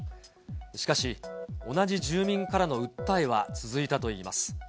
しかし、同じ住民からの訴えは続いたといいます。